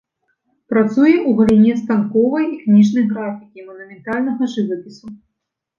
Працуе ў галіне станковай і кніжнай графікі, манументальнага жывапісу.